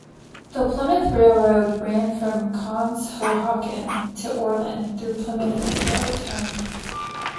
The Plymouth Railroad ran from Conshohocken to Oreland through Plymouth and Flourtown.